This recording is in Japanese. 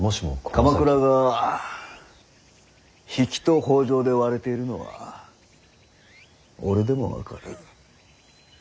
鎌倉が比企と北条で割れているのは俺でも分かる。